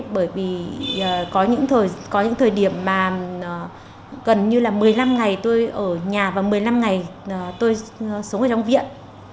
bởi vì có những thời điểm mà gần như là một mươi năm ngày tôi ở nhà và một mươi năm ngày tôi sống ở trong viện